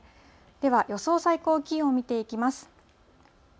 では予想最高気温見ていきます。